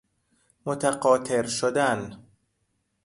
متقاطر شدن